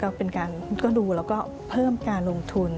ก็เป็นการก็ดูแล้วก็เพิ่มการลงทุน